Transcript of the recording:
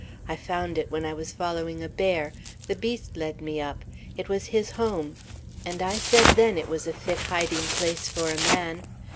I found it when I was following a bear. The beast led me up. It was his home; and I said then, it was a fit hiding place for a man.